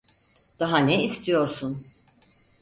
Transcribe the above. Daha ne istiyorsun?